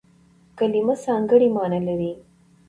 کلیمه ځانګړې مانا لري.